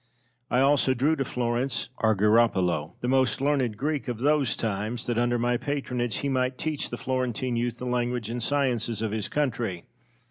I also drew to Florence Argiropolo, the most learned Greek of those times, that, under my patronage, he might teach the Florentine youth the language and sciences of his country.